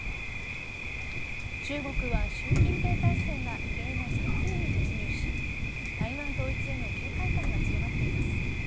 中国は、習近平体制が異例の３期目に突入し台湾統一への警戒感が強まっています。